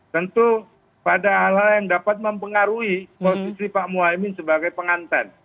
tentu pada hal lain dapat mempengaruhi posisi pak muhaymin sebagai pengantar